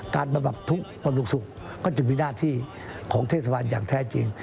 การบับทุกข์มรุงศุกร์ก็จะมีหน้าที่ของเทศบาล้างแท้จริง